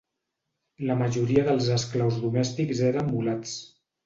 La majoria dels esclaus domèstics eren mulats.